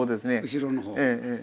後ろの方。